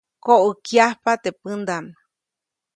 Koʼäkyajpa teʼ pändaʼm.